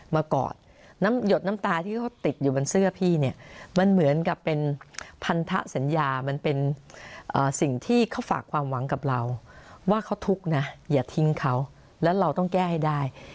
มากอดน้ำหยดน้ำตาที่เขาติดอยู่บนเสื้อพี่เนี่ยมันเหมือนกับเป็นพันธสัญญามันเป็นสิ่งที่เขาฝากความหวังกับเราว่าเขาทุกข์นะอย่าทิ้งเขาแล้วเราต้องแก้ให้ได้